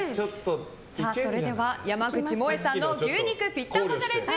それでは山口もえさんの牛肉ぴったんこチャレンジ